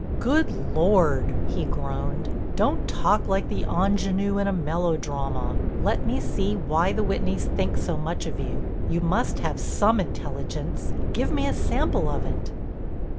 "Good Lord!" he groaned. "Don't talk like the ingénue in a melodrama. Let me see why the Whitneys think so much of you. You must have some intelligence—give me a sample of it."